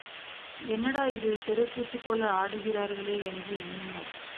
என்னடா இது, தெருக்கூத்து போல ஆடுகிறார்களே என்று எண்ணினர்.